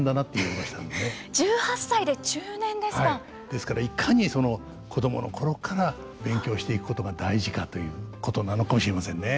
ですからいかに子供の頃から勉強していくことが大事かということなのかもしれませんね。